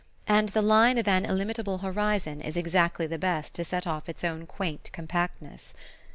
And the line of an illimitable horizon is exactly the best to set off its own quaint compactness.